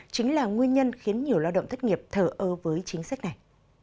chính là nguyên nhân khiến nhiều lao động thất nghiệp thở ơ với chính sách này